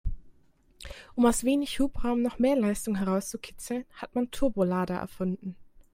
Um aus wenig Hubraum noch mehr Leistung herauszukitzeln, hat man Turbolader erfunden.